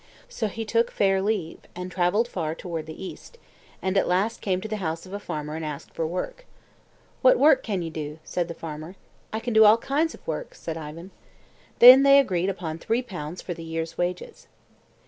So he took fair leave, and travelled far toward the East, and at last came to the house of a farmer and asked for work. "What work can ye do?" said the farmer. "I can do all kinds of work," said Ivan. Then they agreed upon three pounds for the year's wages.